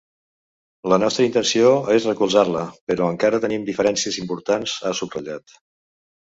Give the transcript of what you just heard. “La nostra intenció és recolzar-la però encara tenim diferències importants”, ha subratllat.